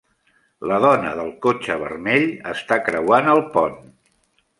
La dona del cotxe vermell està creuant el pont.